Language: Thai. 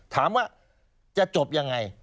ถามว่าจะจบยังไง